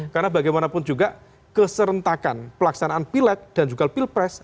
karena bagaimanapun juga keserentakan pelaksanaan pilet dan juga pilpres